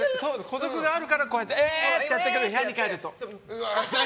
孤独があるから、こうやってえー！ってやってるけど部屋に帰ると。